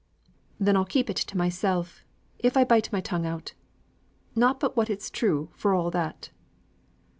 "Then I'll keep it to mysel', if I bite my tongue out. Not but what it's true for all that."